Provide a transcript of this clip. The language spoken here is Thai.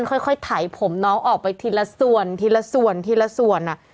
มันค่อยไถผมน้องออกไปทีละส่วน